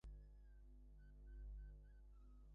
অসম্ভব ফরাসা, বয়স আঠার-উনিশ।